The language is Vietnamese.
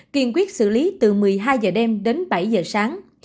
kiên quyết xử lý từ một mươi hai h đêm đến bảy h sáng